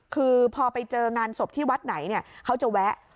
คือพอไปเจองานศพที่วัดไหนเขาจะแวะ